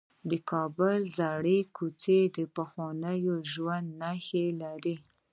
د کابل زړې کوڅې د پخواني ژوند نښې لري.